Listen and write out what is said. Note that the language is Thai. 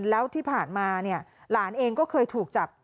แล้วที่ผ่านมาเนี่ยหลานเองก็เคยถูกจับ